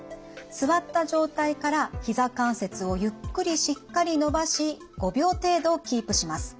座った状態からひざ関節をゆっくりしっかり伸ばし５秒程度キープします。